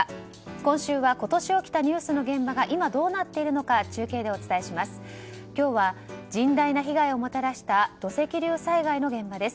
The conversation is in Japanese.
今週は今年起きたニュースの現場が今、どうなっているのか中継でお伝えします。